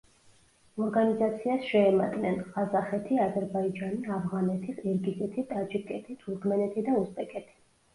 ორგანიზაციას შეემატნენ: ყაზახეთი, აზერბაიჯანი, ავღანეთი, ყირგიზეთი, ტაჯიკეთი, თურქმენეთი და უზბეკეთი.